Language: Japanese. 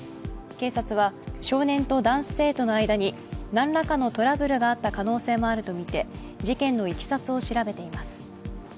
警察は、少年と男子生徒の間に何らかのトラブルがあった可能性もあるとみて事件のいきさつを調べています。